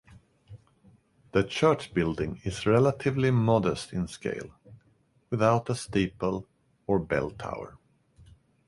The church building is relatively modest in scale, without a steeple or bell tower.